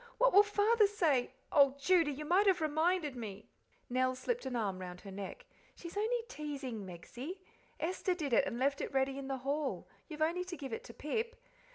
"What will Father say? Oh, Judy, you might have reminded me." Nell slipped an arm round her neck. "She's only teasing, Megsie; Esther did it and left it ready in the hall you've only to give it to Pip.